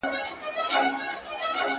په خبر سو معامیلې دي نوري نوري,